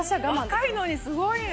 若いのにすごいな。